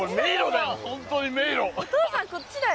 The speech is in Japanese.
お父さん、こっちだよ。